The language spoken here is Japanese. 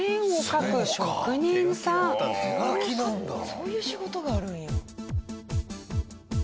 そういう仕事があるんや。